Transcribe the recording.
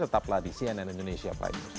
tetaplah di cnn indonesia